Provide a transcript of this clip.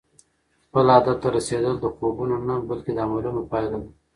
خپل هدف ته رسېدل د خوبونو نه، بلکې د عملونو پایله ده.